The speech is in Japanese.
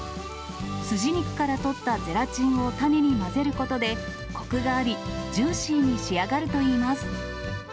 すじ肉から取ったゼラチンをたねに混ぜることで、こくがありジューシーに仕上がるといいます。